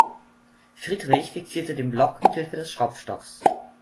Friedrich fixierte den Block mithilfe des Schraubstocks.